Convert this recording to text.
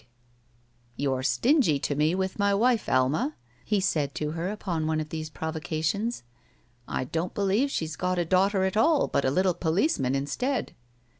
36 SHE WALKS IN BEAUTY *'You're stingy to me with my wife, Alma," he said to her upon one of these provocations. "I don't believe she's got a daughter at all, but a little policeman instead."